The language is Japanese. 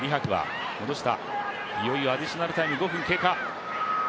いよいよアディショナルタイム５分経過。